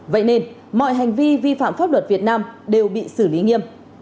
vậy nên mọi hành vi vi phạm pháp luật việt nam đều bị xử lý nghiêm